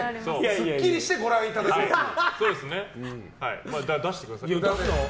すっきりしてご覧いただけるという。